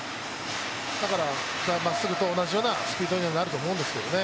だからまっすぐと同じようなスピードになるとは思うんですけどね。